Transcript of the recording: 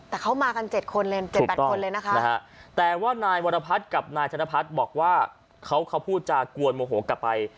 แต่เขามากัน๗คนเลย๗๘คนเลยนะคะแต่ว่านายวรพัฒน์กับนายธนพัฒน์บอกว่าเขาพูดจากวนโมโหกลับไป